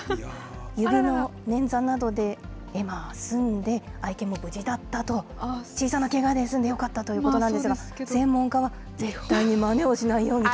指の捻挫などで済んで、愛犬も無事だったと、小さなけがで済んでよかったということなんですが、専門家は絶対にまねをしないようにと。